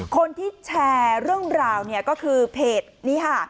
คนที่แชร์เรื่องราวเนี่ยก็คือเพจนี้ค่ะ